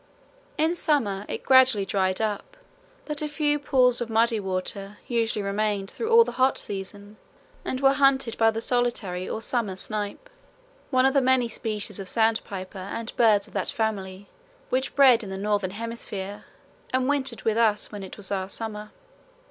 In summer it gradually dried up, but a few pools of muddy water usually remained through all the hot season and were haunted by the solitary or summer snipe, one of the many species of sandpiper and birds of that family which bred in the northern hemisphere and wintered with us when it was our summer.